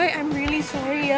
aku benar benar minta maaf ya